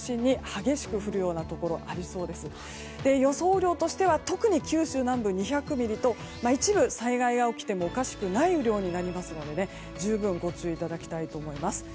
雨量としては特に九州南部、２００ミリと一部災害が起きてもおかしくない雨量になりますので十分ご注意いただきたいと思います。